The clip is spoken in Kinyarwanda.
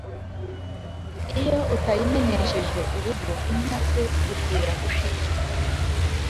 iyo atayimenesheje urugo ,inka ze zipfira gushira